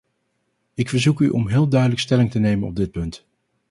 Ik verzoek u om heel duidelijk stelling te nemen op dit punt.